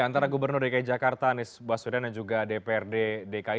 antara gubernur dki jakarta anies baswedan dan juga dprd dki